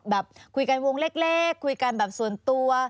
แบบคุยกันวงเล็กคุยกันแบบส่วนตัว